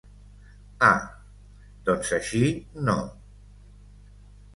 Ah, doncs així no...